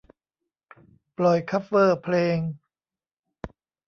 ปล่อยคัฟเวอร์เพลง